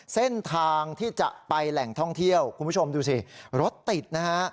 เส้นทางที่จะไปแหล่งท่องเที่ยวคุณผู้ชมดูสิรถติดนะฮะ